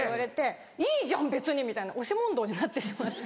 「いいじゃん別に」みたいな押し問答になってしまって。